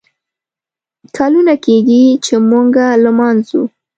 کلونه کیږي ، چې موږه لمانځو